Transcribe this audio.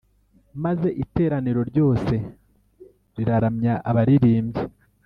Maze iteraniro ryose riraramya abaririmbyi